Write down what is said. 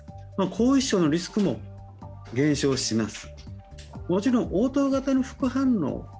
後遺症のリスクも減少します。